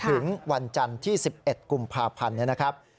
ถึงวันจันทร์ที่๑๑กุมภาพันธุ์